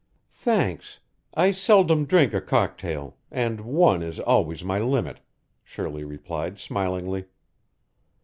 "Thanks. I seldom drink a cocktail, and one is always my limit," Shirley replied smilingly.